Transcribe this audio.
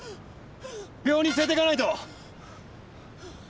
病院に連れて行かないと！